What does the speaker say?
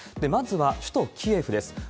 まずは首都キエフです。